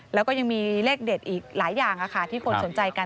แล้วก็ยังมีเลขเด็ดอีกหลายอย่างที่คนสนใจกัน